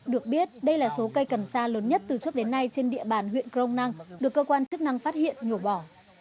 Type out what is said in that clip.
được biết đây là số cây cẩn xa lớn nhất từ trước đến nay trên địa bàn huyện công năng được cơ quan chức năng phát hiện nhổ bỏ